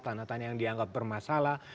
tanah tanah yang dianggap bermasalah